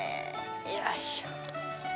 よいしょ。